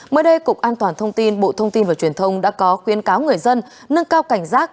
mới đây cục an toàn thông tin bộ thông tin và truyền thông đã có khuyến cáo người dân nâng cao cảnh giác